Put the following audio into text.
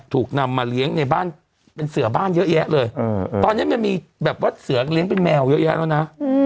ถูกนำมาเลี้ยงในบ้านเป็นเสือบ้านเยอะแยะเลยตอนนี้มันมีแบบว่าเสือเลี้ยงเป็นแมวเยอะแยะแล้วนะ